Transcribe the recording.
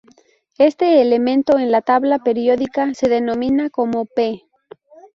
Este elemento en la tabla periódica se denomina como "P".